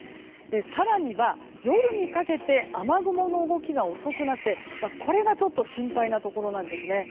更には夜にかけて雨雲の動きが遅くなって、これがちょっと心配なところなんですね。